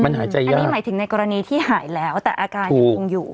มันหายใจยากอันนี้หมายถึงในกรณีที่หายแล้วแต่อาการยังคงอยู่ถูก